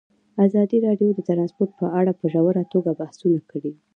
ازادي راډیو د ترانسپورټ په اړه په ژوره توګه بحثونه کړي.